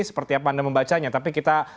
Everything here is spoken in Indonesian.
seperti apa anda membacanya tapi kita